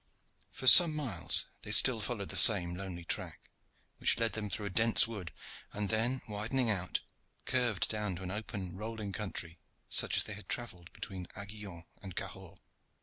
For some miles they still followed the same lonely track, which led them through a dense wood, and then widening out, curved down to an open rolling country, such as they had traversed between Aiguillon and Cahors.